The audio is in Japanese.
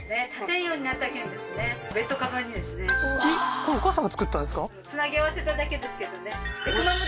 これお母さんが作ったんですか？